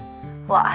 j medo untuk dia